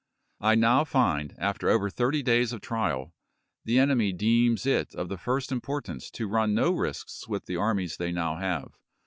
I now find, chap. xv. after over thirty days of trial, the enemy deems it of the first importance to run no risks with the armies they now have.